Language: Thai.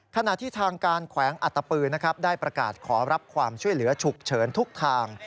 ขณะที่ทางการแขวงอัตตปือนะครับได้ประกาศขอรับความช่วยเหลือฉุกเฉินทุกทาง